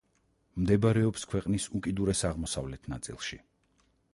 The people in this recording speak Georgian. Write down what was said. მდებარეობს ქვეყნის უკიდურეს აღმოსავლეთ ნაწილში.